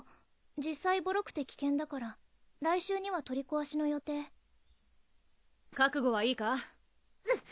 実際ぼろくて危険だから来週には取りこわしの予定覚悟はいいか？